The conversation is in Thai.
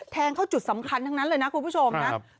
แทงเข้าจุดสำคัญทั้งนั้นเลยนะคุณผู้ชมนะ